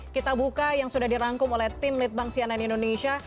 kita buka yang sudah dirangkum oleh tim litbang sianan indonesia